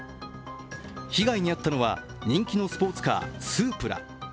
被害に遭ったのは、人気のスポーツカー、スープラ。